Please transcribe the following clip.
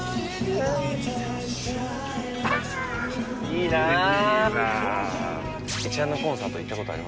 いいなあ！